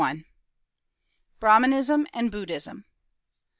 BRAHMANISM AND BUDDHISM.